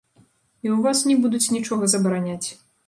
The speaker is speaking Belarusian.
І ў вас не будуць нічога забараняць.